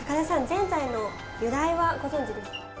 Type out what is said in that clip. ぜんざいの由来はご存じですか？